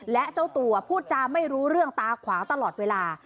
และเจ้าตัวพูดจาไม่รู้เรื่องตาขวาตลอดเวลา